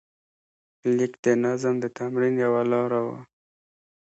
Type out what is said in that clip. لیک د نظم د تمرین یوه لاره وه.